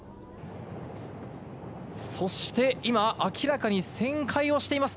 そして今、明らかに旋回をしています。